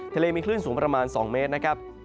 ทะเลมีคลื่นสูงประมาณ๒เมตรนะครับ